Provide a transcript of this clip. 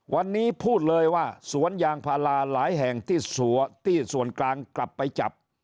วันนี้พูดเลยว่าสวนยางพาราหลายแห่งที่ส่วนกลางกลับไปจับ